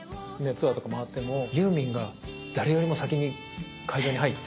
ツアーとか回ってもユーミンが誰よりも先に会場に入って。